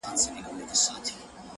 • له پیشو یې ورته جوړه ښه نجلۍ کړه,